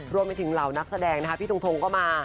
รวมไปถึงเหล่านักแสดงนะคะพี่ทงทงก็มา